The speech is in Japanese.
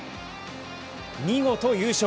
見事優勝。